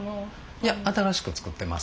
いや新しく作ってます。